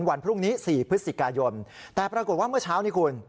วันพรุ่งนี้๔พฤศจิกายนแต่ปรากฏว่าเมื่อเช้านี้คุณ